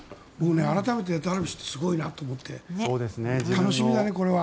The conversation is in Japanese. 改めてダルビッシュってすごいなと思って楽しみだね。